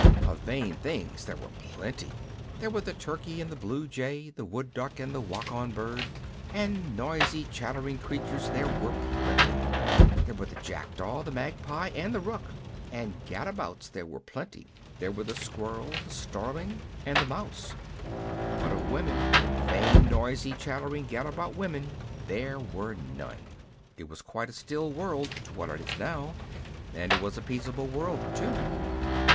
Of vain things there were plenty — there were the turkey, and the blue jay, the wood duck, and the wakon bird ; and noisy, chattering creatures there were plenty — there were the jackdaw, the magpie, and the rook ; and gadabouts there were plenty — there were the squirrel, the starling, and the mouse ; but of women, vain, noisy, chattering, gad about women, there were none. It was quite a still world to what it is now, and it was a peaceable world, too.